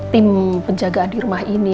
tim penjagaan di rumah ini